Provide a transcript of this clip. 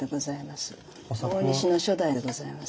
大西の初代でございます。